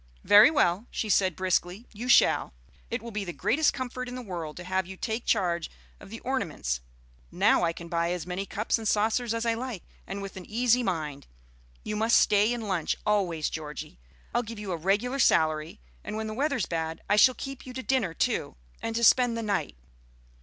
"Very well," she said briskly, "you shall. It will be the greatest comfort in the world to have you take charge of the ornaments. Now I can buy as many cups and saucers as I like, and with an easy mind. You must stay and lunch, always, Georgie. I'll give you a regular salary, and when the weather's bad I shall keep you to dinner too, and to spend the night.